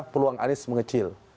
peluang anies mengecil